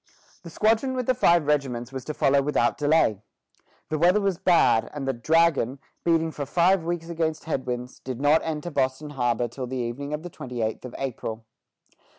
The squadron with the five regiments was to follow without delay. The weather was bad, and the "Dragon," beating for five weeks against headwinds, did not enter Boston harbor till the evening of the twenty eighth of April.